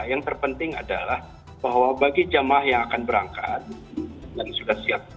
yang terpenting adalah bahwa bagi jemaah yang akan berangkat dan sudah siap